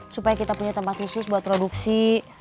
supaya kita punya tempat khusus buat produksi